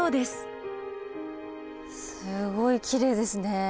すごいきれいですね。